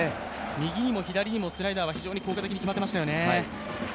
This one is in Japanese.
右にも左にもスライダーは非常に効果的に決まっていましたよね。